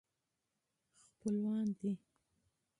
خپلوان دي.